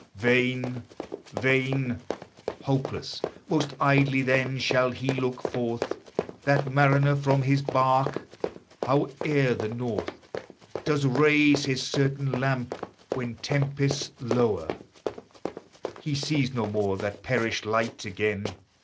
Vain, vain! Hopeless most idly then, shall he look forth, That mariner from his bark. Howe'er the north Does raise his certain lamp, when tempests lower He sees no more that perished light again!